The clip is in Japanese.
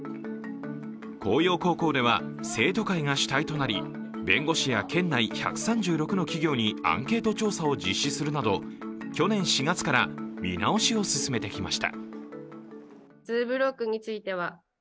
興陽高校では生徒会が主体となり弁護士や県内１３６の企業にアンケート調査を実施するなど去年４月から見直しを進めてきました。